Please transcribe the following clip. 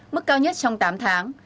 mức cao nhất trong tám tháng